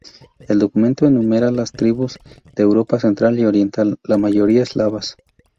El documento enumera las tribus de Europa central y oriental, la mayoría eslavas.